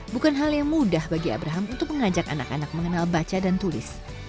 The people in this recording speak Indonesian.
bukan hal yang mudah bagi abraham untuk mengajak anak anak mengenal baca dan tulis